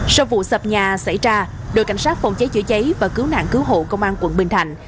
sau vụ sập nhà xảy ra đội cảnh sát phòng cháy chữa cháy và cứu nạn cứu hộ công an quận bình thạnh